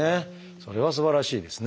それはすばらしいですね。